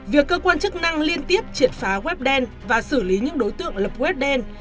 việc cơ quan chức năng liên tiếp triệt phá web đen và xử lý những đối tượng lập web đen